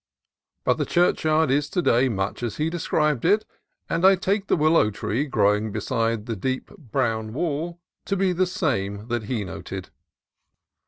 But the churchyard is to day much as he described it, and I take the willow tree growing beside the deep brown wall to be the same that he noted.